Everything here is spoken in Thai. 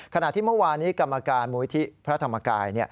ขณะที่เมื่อวานี้กรรมการมูลที่พระธรรมกาย